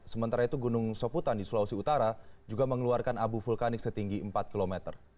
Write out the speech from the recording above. sementara itu gunung soputan di sulawesi utara juga mengeluarkan abu vulkanik setinggi empat km